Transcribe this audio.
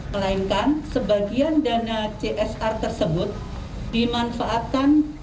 melainkan sebagian dana csr tersebut dimanfaatkan